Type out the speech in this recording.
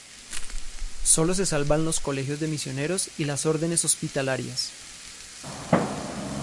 Sólo se salvan los colegios de misioneros y las órdenes hospitalarias.